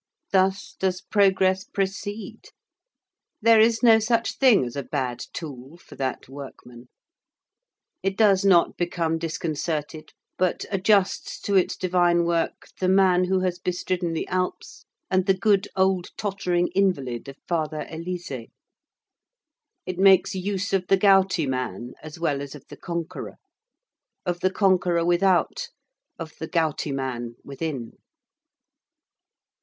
Thus does progress proceed. There is no such thing as a bad tool for that workman. It does not become disconcerted, but adjusts to its divine work the man who has bestridden the Alps, and the good old tottering invalid of Father Élysée. It makes use of the gouty man as well as of the conqueror; of the conqueror without, of the gouty man within.